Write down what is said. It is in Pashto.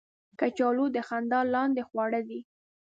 کچالو د خندا لاندې خواړه دي